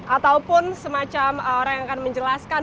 ataupun semacam orang yang akan menjelaskan